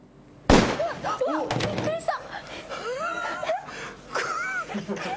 うわっびっくりした。